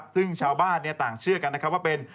ซึ่งชาวบ้านต่างเชื่อกันนะครับว่าเป็น